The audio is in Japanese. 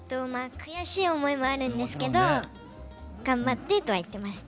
悔しい思いもあるんですけど頑張ってとは言ってました。